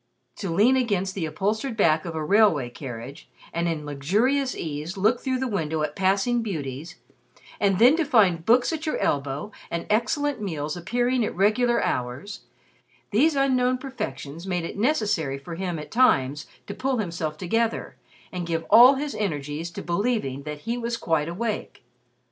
To lean against the upholstered back of a railway carriage and in luxurious ease look through the window at passing beauties, and then to find books at your elbow and excellent meals appearing at regular hours, these unknown perfections made it necessary for him at times to pull himself together and give all his energies to believing that he was quite awake.